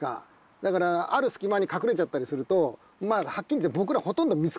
だからある隙間に隠れちゃったりするとハッキリ言って僕ら。